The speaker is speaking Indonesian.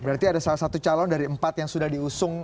berarti ada salah satu calon dari empat yang sudah diusung